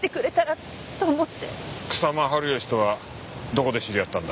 草間治義とはどこで知り合ったんだ？